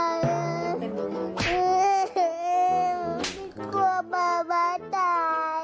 เหมือนป๊ามาตาย